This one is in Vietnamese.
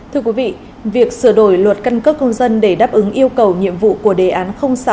thưa quý vị việc sửa đổi luật căn cước công dân để đáp ứng yêu cầu nhiệm vụ của đề án sáu